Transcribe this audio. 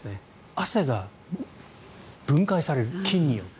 汗が分解される、菌によって。